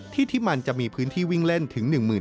ที่ที่มันจะมีพื้นที่วิ่งเล่นถึง๑๐๐๐๐ตารางเมตร